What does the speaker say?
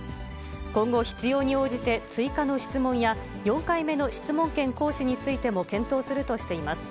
今後必要に応じて、追加の質問や４回目の質問権行使についても検討するとしています。